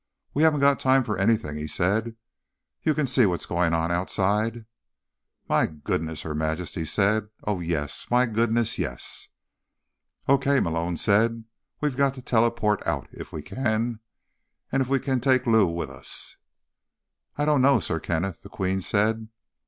"We haven't got time for anything," he said. "You can see what's going on outside." "My goodness," Her Majesty said. "Oh, yes. My goodness, yes." "Okay," Malone said. "We've got to teleport out, if we can—and if we can take Lou with us." "I don't know, Sir Kenneth," the Queen said.